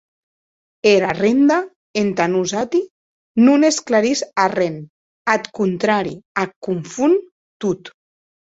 Era renda, entà nosati, non esclarís arren; ath contrari, ac confon tot.